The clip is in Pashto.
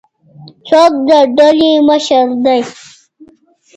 څوک د ډلي مشر دی؟